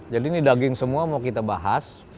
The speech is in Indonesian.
jadi ini daging semua mau kita bahas